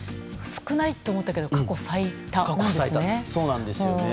少ないと思ったけど過去最多なんですね。